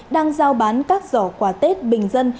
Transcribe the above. đang giao bán các giỏ quà tết bình dân